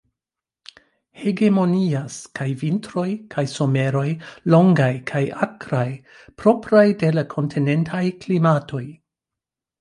Hegemonias kaj vintroj kaj someroj longaj kaj akraj, propraj de la kontinentaj klimatoj.